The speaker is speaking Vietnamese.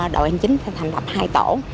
đội hành chính sẽ thành lập hai tổ